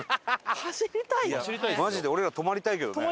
マジで俺ら止まりたいけどね。